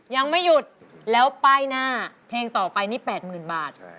ยังไม่หยุดแล้วป้ายหน้าเพลงต่อไปนี่๘๐๐๐บาท